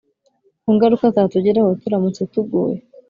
ku ngaruka zatugeraho turamutse tuguye